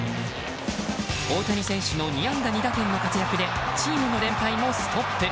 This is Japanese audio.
大谷選手の２安打２打点の活躍でチームの連敗もストップ。